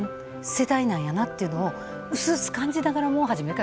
世代なんやなというのをうすうす感じながらもう初めから見さしてもらってます。